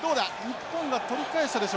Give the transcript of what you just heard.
日本が取り返したでしょうか。